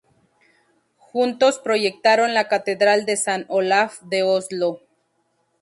Juntos proyectaron la Catedral de San Olaf de Oslo.